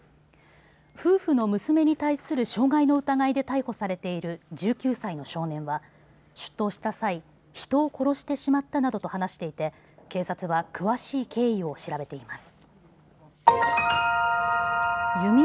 夫婦の娘に対する傷害の疑いで逮捕されている１９歳の少年は出頭した際、人を殺してしまったなどと話していて警察は詳しい経緯を調べています。